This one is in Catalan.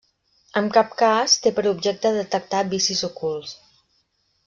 En cap cas té per objecte detectar vicis ocults.